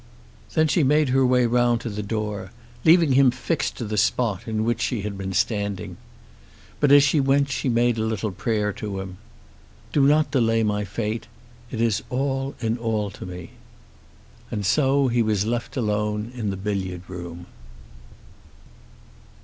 Then she made her way round to the door, leaving him fixed to the spot in which she had been standing. But as she went she made a little prayer to him. "Do not delay my fate. It is all in all to me." And so he was left alone in the billiard room.